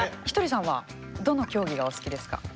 ひとりさんはどの競技がお好きですか？